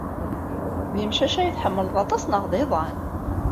D imcac ay tḥemmled aṭas neɣ d iḍan?